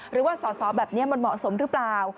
หรือว่าสอสอแบบนี้มันเหมาะสมหรือเปล่า